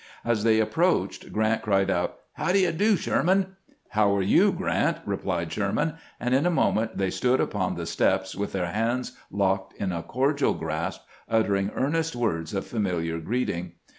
As they approached Grant cried out, " How d' you do, Sherman !"" How are you. Grant !" exclaimed Sherman ; and in a moment they stood upon the steps, with their hands locked in a cordial grasp, uttering earnest words of familiar greeting.